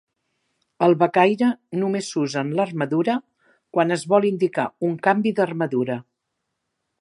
El becaire només s'usa en l'armadura quan es vol indicar un canvi d'armadura.